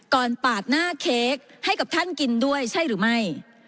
ปาดหน้าเค้กให้กับท่านกินด้วยใช่หรือไม่